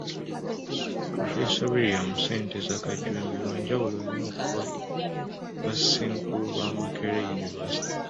Pulofeesa William Ssenteza Kajubi wa njawulo nnyo okuva ku bassenkulu ba Makerere University.